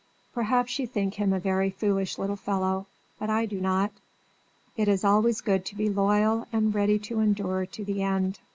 Perhaps you think him a very foolish little fellow; but I do not. It is always good to be loyal and ready to endure to the end.